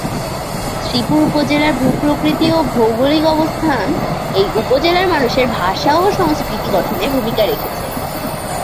শ্রীপুর উপজেলার ভূ-প্রকৃতি ও ভৌগোলিক অবস্থান এই উপজেলার মানুষের ভাষা ও সংস্কৃতি গঠনে ভূমিকা রেখেছে।